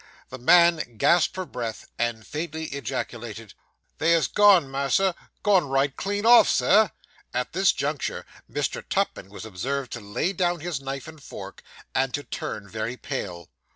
The man gasped for breath, and faintly ejaculated 'They ha' gone, mas'r! gone right clean off, Sir!' (At this juncture Mr. Tupman was observed to lay down his knife and fork, and to turn very pale.)